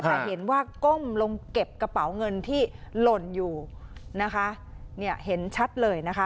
แต่เห็นว่าก้มลงเก็บกระเป๋าเงินที่หล่นอยู่นะคะเนี่ยเห็นชัดเลยนะคะ